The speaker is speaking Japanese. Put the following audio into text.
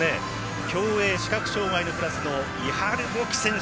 競泳、視覚障がいのクラスのイハル・ボキ選手